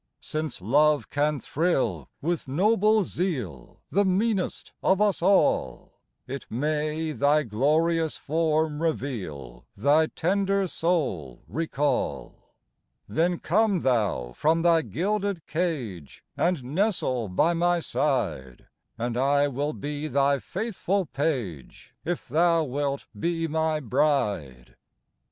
Since love can thrill with noble zeal The meanest of us all, It may thy glorious form reveal, Thy tender soul recall. Then come thou from thy gilded cage And nestle by my side, And I will be thy faithful page, If thou wilt be my bride.